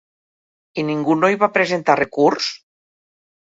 I ningú no hi va presentar recurs?